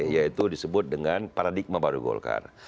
yaitu disebut dengan paradigma baru golkar